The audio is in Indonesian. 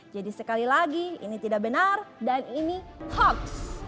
jadi sekali lagi ini tidak benar dan ini hoax